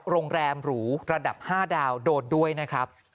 โรงแรมหรูระดับ๕ดาวโดนด้วยนะครับ